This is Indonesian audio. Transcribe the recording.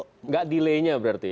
tidak delay nya berarti